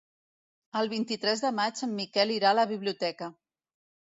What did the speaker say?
El vint-i-tres de maig en Miquel irà a la biblioteca.